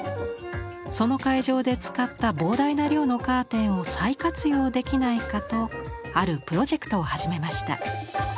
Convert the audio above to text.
その会場で使った膨大な量のカーテンを再活用できないかとあるプロジェクトを始めました。